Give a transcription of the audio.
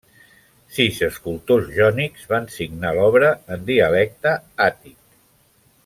Sis escultors jònics van signar l'obra en dialecte àtic.